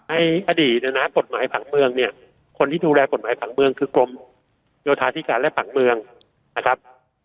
ไอ้อดีตเนี่ยนะกฎหมายผังเมืองเนี่ยคนที่ดูแลกฎหมายผังเมืองคือกรมโยธาธิการและผังเมืองนะครับ